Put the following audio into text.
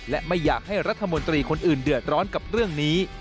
และไม่อยากให้รัฐมนตรีคนอื่นเดือดร้อนกับเรื่องนี้